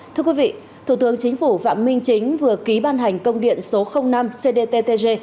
thưa quý vị thủ tướng chính phủ phạm minh chính vừa ký ban hành công điện số năm cdttg